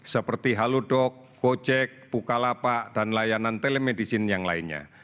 seperti halodoc gojek bukalapak dan layanan telemedicine yang lainnya